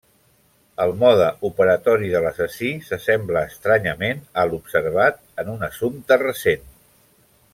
El mode operatori de l'assassí s'assembla estranyament a l'observat en un assumpte recent.